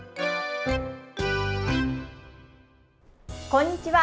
こんにちは。